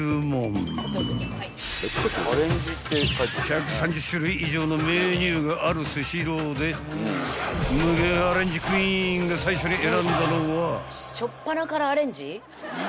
［１３０種類以上のメニューがあるスシローで無限アレンジクイーンが最初に選んだのは］